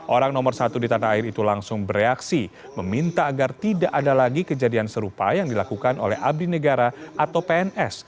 orang nomor satu di tanah air itu langsung bereaksi meminta agar tidak ada lagi kejadian serupa yang dilakukan oleh abdi negara atau pns